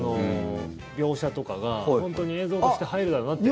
描写とかが、本当に映像として入るだろうなって。